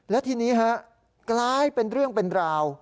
และทีนี้ฮะกลายเป็นเรื่องเป็นราว